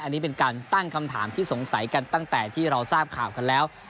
อันนี้เป็นการตั้งคำถามที่สงสัยกันตั้งแต่ที่เราทราบข่าวกันแล้ว